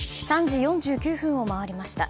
３時４９分を回りました。